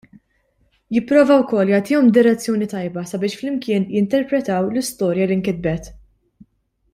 Jipprova wkoll jagħtihom direzzjoni tajba sabiex flimkien jinterpretaw l-istorja li nkitbet.